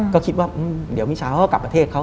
ก็คิดว่าเดี๋ยวมิชาเขาก็กลับประเทศเขา